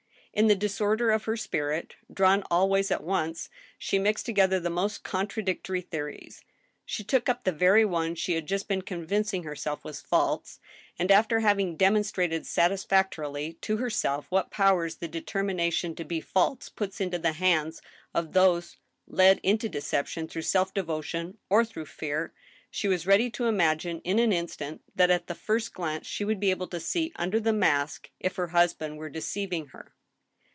In the disorder of her spirit, drawn all ways at once, she mixed together the most contradictory theories ; she took up the very one . she had just been convincing herself was false, a'nd, after having demonstrated satisfactorily to herself what powers the determina tion to be false puts into the hands of those led into deception through self devotion or through fear, she was ready to imagine in an instant that at the first glance she would be able to see under the mask if her husband were deceiving her.